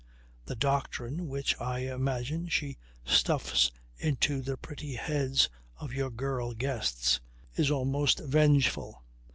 The doctrine which I imagine she stuffs into the pretty heads of your girl guests is almost vengeful.